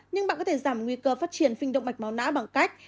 nhưng bạn có thể giảm nguy cơ phát triển phình động mạch máu não bằng cách